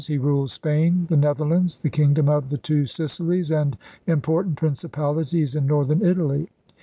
He ruled Spain, the Netherlands, the Kingdom of the Two Sicilies, and important principalities in northern Italy.